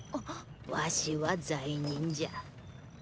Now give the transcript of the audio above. ワシは罪人じゃ。